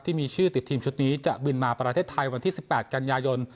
ที่มีชื่อติดทีมชุดนี้จะบินมาประเทศไทยวันที่๑๘กันยายน